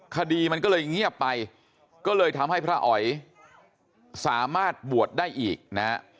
คดีมันก็เลยเงียบไปก็เลยทำให้พระอ๋อยสามารถบวชได้อีกนะฮะ